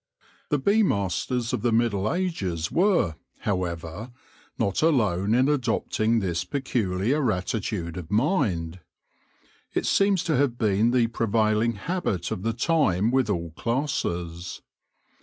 The bee masters of the Middle Ages were, however, not alone in adopting this peculiar attitude of mind. It seems to have been the prevailing habit of the time with all classes.